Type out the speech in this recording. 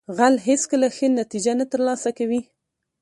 غل هیڅکله ښه نتیجه نه ترلاسه کوي